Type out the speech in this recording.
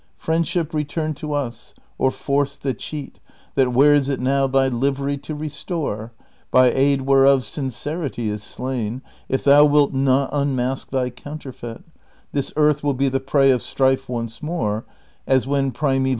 Friendship, return to us, or force the cheat That wears it now, thy livery to restore. By aid whereof sincerity is slain. If thou wilt not unmask thy counterfeit, This earth will be the prey of strife once more, As when primeval discord held its reign.